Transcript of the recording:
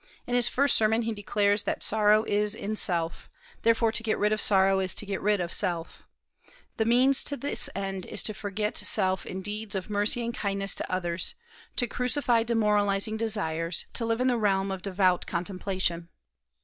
In his first sermon he declares that sorrow is in self; therefore to get rid of sorrow is to get rid of self. The means to this end is to forget self in deeds of mercy and kindness to others; to crucify demoralizing desires; to live in the realm of devout contemplation.